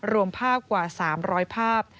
รวมภาพกว่า๓๐๐ภาพ